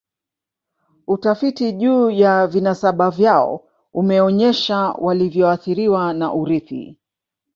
Utafiti juu ya vinasaba vyao umeonyesha walivyoathiriwa na urithi